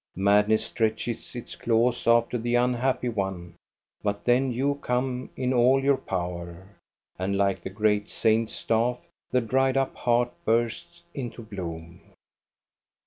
Madness stretches its claws after the unhappy one, but then you come in all your power, and like the great saint's staff the dried up heart bursts into bloom.